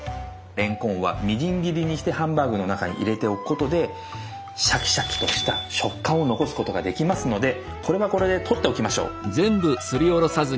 れんこんはみじん切りにしてハンバーグの中に入れておくことでシャキシャキとした食感を残すことができますのでこれはこれで取っておきましょう。